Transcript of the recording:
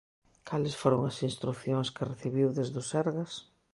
Cales foron as instrucións que recibiu desde o Sergas?